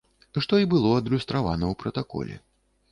Што й было адлюстравана ў пратаколе.